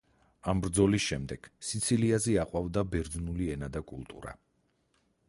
ამ ბრძოლის შემდეგ სიცილიაზე აყვავდა ბერძნული ენა და კულტურა.